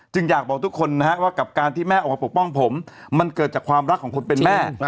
อยากบอกทุกคนนะฮะว่ากับการที่แม่ออกมาปกป้องผมมันเกิดจากความรักของคนเป็นแม่